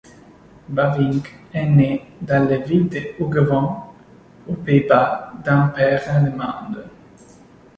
Bavinck est né dans la ville de Hoogeveen aux Pays-Bas d'un père allemand.